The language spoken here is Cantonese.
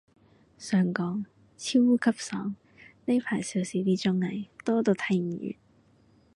想講，超級爽，呢排少時啲綜藝，多到睇唔完